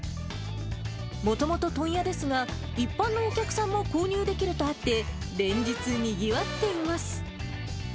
もともと問屋ですが、一般のお客さんも購入できるとあって、連日、にぎわっています。